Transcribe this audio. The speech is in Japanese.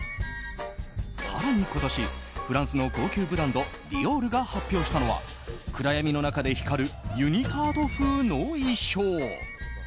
更に今年フランスの高級ブランドディオールが発表したのは暗闇の中で光るユニタード風の衣装。